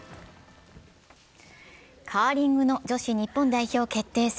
カーリングの女子日本代表決定戦。